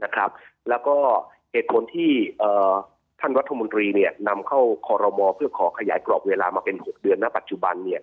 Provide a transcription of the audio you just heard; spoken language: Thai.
แล้วก็เหตุผลที่ท่านรัฐมนตรีนำเข้าคอรมอเพื่อขอขยายกรอบเวลามาเป็น๖เดือนณปัจจุบัน